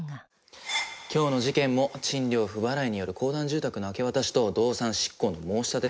今日の事件も賃料不払いによる公団住宅の明け渡しと動産執行の申し立て。